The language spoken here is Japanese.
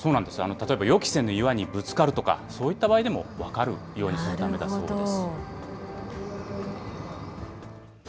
例えば予期せぬ岩にぶつかるとか、そういった場合でも分かるようにするためだそうです。